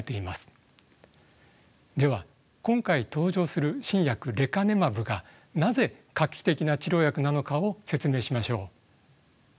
では今回登場する新薬レカネマブがなぜ画期的な治療薬なのかを説明しましょう。